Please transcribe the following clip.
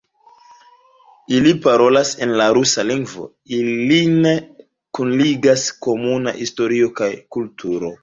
Ili parolas en la rusa lingvo, ilin kunligas komuna historio kaj kulturo.